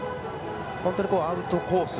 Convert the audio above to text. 本当にアウトコース。